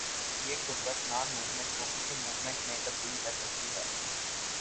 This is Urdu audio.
یہ قربت نان موومنٹ کو کسی موومنٹ میں بدل سکتی ہے۔